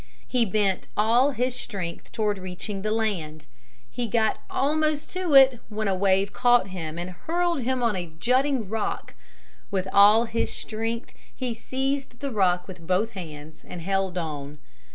He bent all his strength toward reaching the land. He got almost to it, when a wave caught him and hurled him on a jutting rock. With all his strength he seized the rock with both hands and held on.